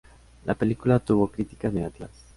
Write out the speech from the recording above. La película tuvo críticas negativas.